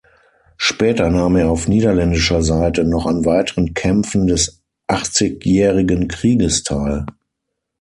Später nahm er auf niederländischer Seite noch an weiteren Kämpfen des Achtzigjährigen Krieges teil.